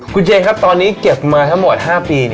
คุณเจนครับตอนนี้เก็บมาทั้งหมด๕ปี